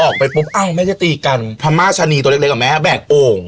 ออกไปปุ๊บเอ้าแม่จะตีกันพม่าชะนีตัวเล็กเล็กอ่ะแม่แบกโอ่ง